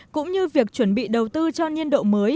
cũng như việc chuẩn bị đầu tư cho nhiên độ mới